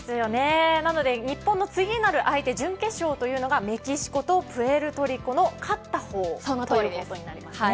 なので日本の次なる相手準決勝というのがメキシコとプエルトリコの勝った方ということになりますね。